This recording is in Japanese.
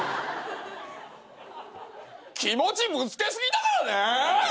気持ちぶつけ過ぎだからね！